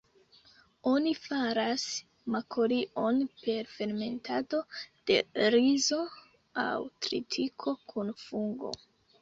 Oni faras makolion per fermentado de rizo aŭ tritiko kun fungo.